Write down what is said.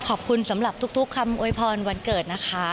ขอบคุณสำหรับทุกคำโวยพรวันเกิดนะคะ